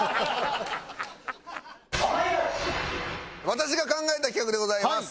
私が考えた企画でございます。